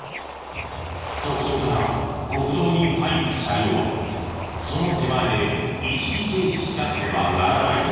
側道から国道に入る車両はその手前で一時停止しなければならないのだが。